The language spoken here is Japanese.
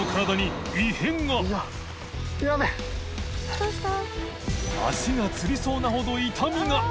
どうした？